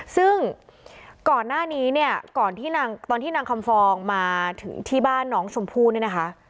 ซึ่งก่อนหน้านี้เนี่ยก่อนที่นางตอนที่นางคำฟองมาถึงที่บ้านน้องชมพู่เนี่ยนะคะ